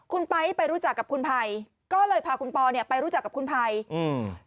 คุณไพไปรู้จักกับคุณไผวันพอยส์ก็เลยพาคุณปอเนี่ยไปรู้จักกับคุณไผวันพอยส์